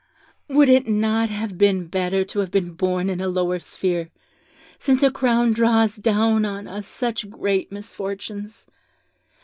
'Would it not have been better to have been born in a lower sphere, since a crown draws down on us such great misfortunes?